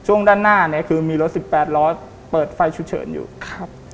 ช่วงด้านหน้าเนี้ยคือมีรถสิบแปดล้อเปิดไฟฉุกเฉินอยู่ครับ